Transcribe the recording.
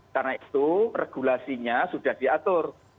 karena itu regulasinya sudah diatur